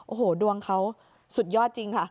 โอ้โหดวงเขาสุดยอดจริงค่ะ